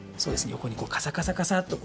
よこにカサカサカサっと。